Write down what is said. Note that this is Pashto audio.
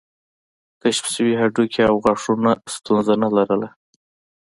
کشف شوي هډوکي او غاښونه ستونزه نه لرله.